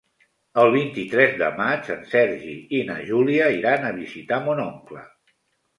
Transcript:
El vint-i-tres de maig en Sergi i na Júlia aniran a visitar mon oncle.